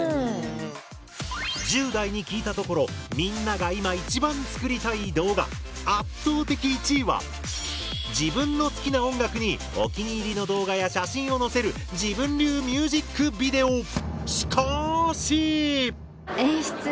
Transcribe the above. １０代に聞いたところみんなが今一番作りたい動画圧倒的１位は自分の好きな音楽にお気に入りの動画や写真を載せる自分流ミュージックビデオ。